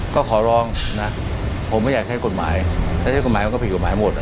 ก็ขอร้องนะผมไม่อยากใช้กฎหมายถ้าใช้กฎหมายมันก็ผิดกฎหมายหมด